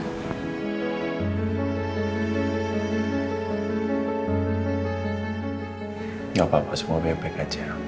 gak apa apa semua baik baik aja